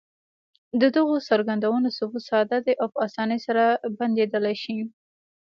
د دغو څرګندونو ثبوت ساده دی او په اسانۍ سره بيانېدلای شي.